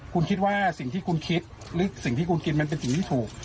คุณคิดว่าสิ่งที่คุณคิดหรือสิ่งที่คุณกินมันเป็นสิ่งที่ถูก